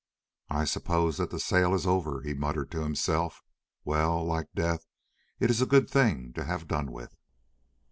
"I suppose that the sale is over," he muttered to himself. "Well, like death, it is a good thing to have done with."